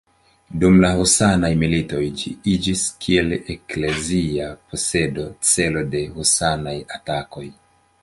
Dum la husanaj militoj ĝi iĝis kiel eklezia posedo celo de husanaj atakoj.